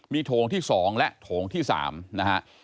มีโถงที่๒และโถงที่๓นะฮะ